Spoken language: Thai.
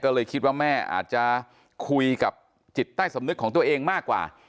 ก็เลยคิดว่าแม่อาจจะคุยกับจิตใต้สำนึกของตัวเองมากกว่า